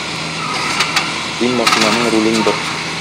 Син машинаның рулен бор.